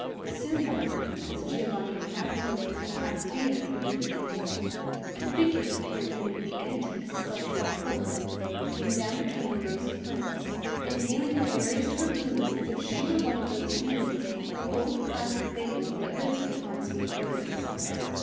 Soon, however,—as Giovanni had half hoped, half feared, would be the case,—a figure appeared beneath the antique sculptured portal, and came down between the rows of plants, inhaling their various perfumes as if she were one of those beings of old classic fable that lived upon sweet odors.